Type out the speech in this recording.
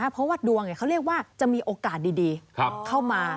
เพราะว่าดวงเขาเรียกว่าจะมีโอกาสดีเข้ามา